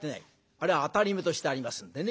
あれはアタリメとしてありますんでね。